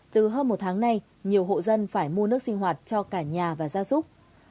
từ hơn một tháng nay nhiều hộ dân phải mua nước sinh hoạt cho cả nhà và gia súc